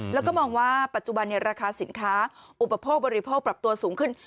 แล้วก็มองว่าปัจจุบันราคาสินค้าอุปโภคบริโภคปรับตัวสูงขึ้น